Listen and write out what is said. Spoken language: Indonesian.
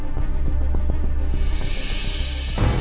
aku mau main ke rumah intan